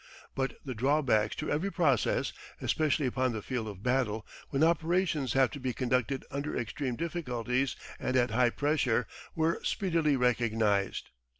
But the drawbacks to every process, especially upon the field of battle, when operations have to be conducted under extreme difficulties and at high pressure, were speedily recognised.